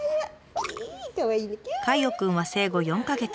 カイオくんは生後４か月。